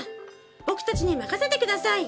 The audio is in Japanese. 僕たちに任せて下さい。